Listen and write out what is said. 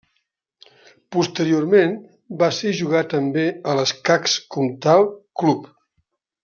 Posteriorment, va ser jugar també a l'Escacs Comtal Club.